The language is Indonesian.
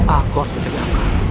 aku harus mencari aku